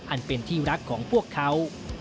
อันเป็นที่รักของพวกเขา